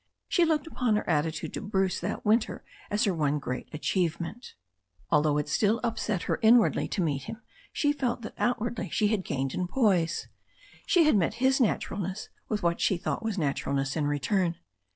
She looked upon her attitude to Bruce that winter as her one great achievement. Although it still upset her inwardly 114 THE STORY OF A NEW ZEALAND RIVER to meet him, she felt that outwardly she had gained in poise. She had met his naturalness with what she thought was naturalness in return.